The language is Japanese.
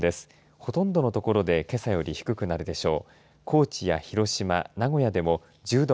ほとんどの所でけさより低くなるでしょう。